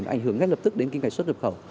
nó ảnh hưởng ngay lập tức đến kinh tế xuất khẩu